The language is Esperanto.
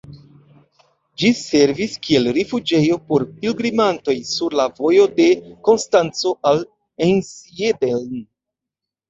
Ĝi servis kiel rifuĝejo por pilgrimantoj sur la vojo de Konstanco al Einsiedeln.